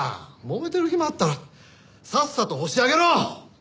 もめてる暇あったらさっさとホシを挙げろ！